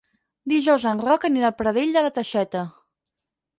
Dijous en Roc anirà a Pradell de la Teixeta.